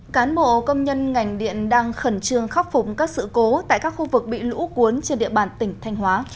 cán bộ công nhân ngành điện đang khẩn trương khắc phục các sự cố tại các khu vực bị lũ cuốn trên địa bàn tỉnh thanh hóa